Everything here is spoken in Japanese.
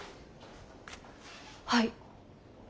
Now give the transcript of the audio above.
はい。